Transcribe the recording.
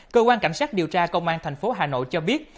cơ quan cảnh sát điều tra công an thành phố hà nội cho biết